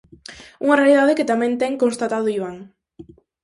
Unha realidade que tamén ten constatado Iván.